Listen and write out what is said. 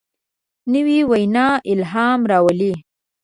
نوې وینا الهام راولي